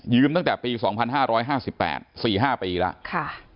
ยืมตั้งแต่ปี๒๕๕๘๔๕ปีละ